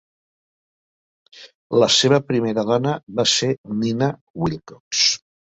La seva primera dona va ser Nina Wilcox.